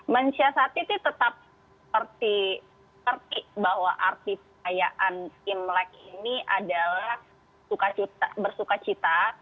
menyiasati tetap mengerti bahwa arti perayaan imlek ini adalah bersuka cita